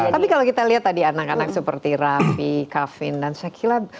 tapi kalau kita lihat tadi anak anak seperti raffi kavin dan shakilan